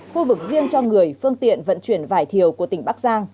khu vực riêng cho người phương tiện vận chuyển vải thiều của tỉnh bắc giang